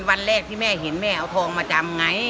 วันแรกที่แม่เห็นแม่เอาทองมาจำไง